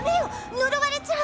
呪われちゃう！